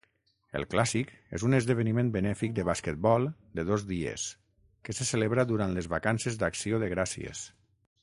El Clàssic és un esdeveniment benèfic de basquetbol de dos dies que se celebra durant les vacances d'Acció de Gràcies.